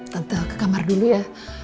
tante ke kamar dulu ya